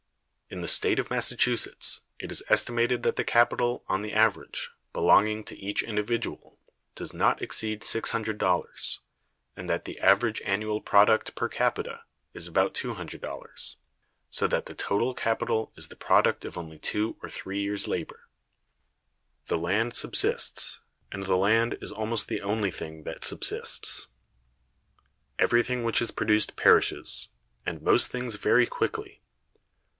"In the State of Massachusetts it is estimated that the capital, on the average, belonging to each individual does not exceed $600, and that the average annual product per capita is about $200; so that the total capital is the product of only two or three years' labor."(108) The land subsists, and the land is almost the only thing that subsists. Everything which is produced perishes, and most things very quickly.